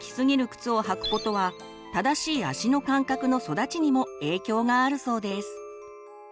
靴を履くことは「正しい足の感覚の育ち」にも影響があるそうです。